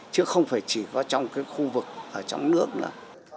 chứ không phải chỉ có trong cái khu vực ở trong nước nữa